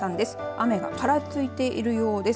雨がぱらついているようです。